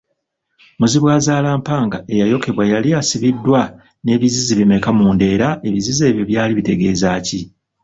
Muzibwazaalampanga eyayokebwa yali esibiddwa n’ebizizi bimeka munda era ebizizi ebyo byali bitegeeza ki?